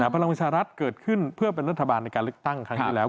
พลังประชารัฐเกิดขึ้นเพื่อเป็นรัฐบาลในการเลือกตั้งครั้งที่แล้ว